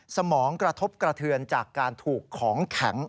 สมองกระทบกระเทือนจากการถูกของแข็ง